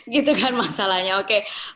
gitu kan masalahnya oke